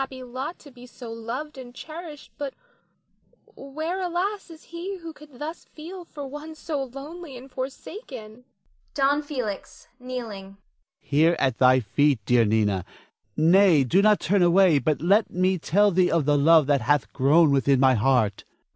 Nina. It were indeed a happy lot to be so loved and cherished; but where, alas, is he who could thus feel for one so lonely and forsaken? Don Felix [kneeling]. Here at thy feet, dear Nina. Nay, do not turn away, but let me tell thee of the love that hath grown within my heart.